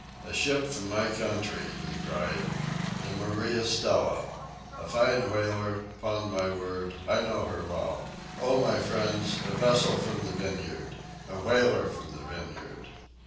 A ship from my country!" he cried. "The 'Maria Stella!' A fine whaler, 'pon my word; I know her well! Oh, my friends, a vessel from the Vineyard! a whaler from the Vineyard!"